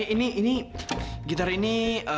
ini ini gitar ini